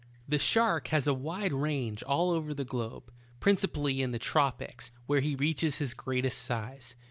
HE shark has a wide range all over the globe, princi pally in the tropics, where he reaches his greatest size.